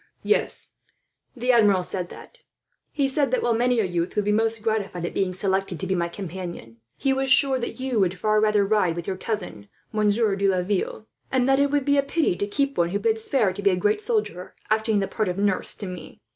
"Yes, the Admiral said that. He said that, while many a youth would be most gratified at being selected to be my companion, he was sure that you would far rather ride with your cousin, Monsieur De Laville; and that it would be a pity to keep one, who bids fair to be a great soldier, acting the part of nurse to me.